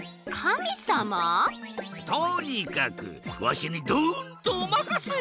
とにかくわしにドンとおまかせ！